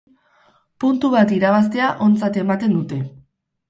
Puntu bat irabaztea ontzat ematen dute.